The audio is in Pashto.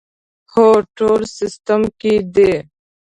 هو، ټول سیسټم کې دي